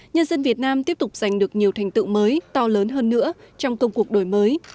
nhân dân việt nam tiếp tục giành được nhiều thành tựu mới to lớn hơn nữa trong công cuộc đổi mới